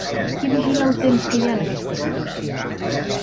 Qui vigila el temps que hi ha en aquesta situació?